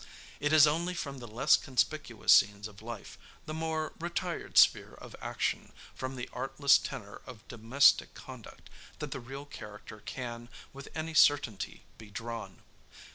It is only from the less conspicuous scenes of life, the more retired sphere of action, from the artless tenor of domestic conduct, that the real character can, with any certainty be drawn.